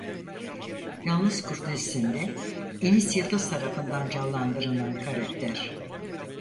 Yalnız Kurt dizisinde Enis Yıldız tarafından canlandırılan karakter.